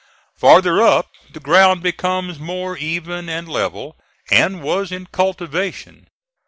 Farther up, the ground becomes more even and level, and was in cultivation.